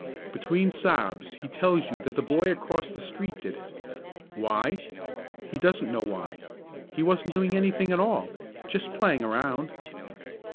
Between sobs he tells you that the boy across the street did it. Why? He doesn't know why; he wasn't doing anything at all, "jes' playin' around."